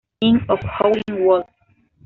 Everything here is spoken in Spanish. King o Howlin' Wolf.